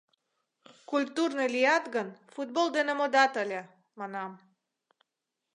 — Культурный лият гын, футбол дене модат ыле, — манам.